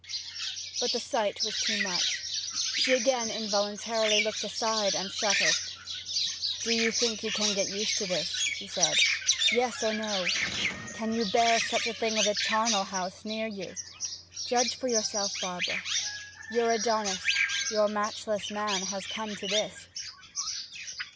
But the sight was too much. She again involuntarily looked aside and shuddered. 'Do you think you can get used to this?' he said. 'Yes or no! Can you bear such a thing of the charnel house near you? Judge for yourself; Barbara. Your Adonis, your matchless man, has come to this!'